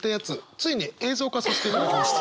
ついに映像化させていただきました。